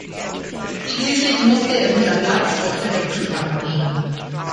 Schließlich musste er wieder Platz auf der Wechselbank nehmen.